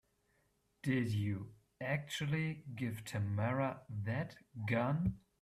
Did you actually give Tamara that gun?